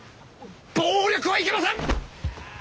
暴力はいけません！